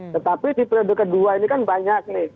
tetapi di periode kedua ini kan banyak nih